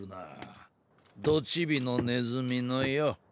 どチビのネズミのよぉ。